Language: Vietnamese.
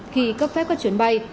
khi cấp phép các chuyến bay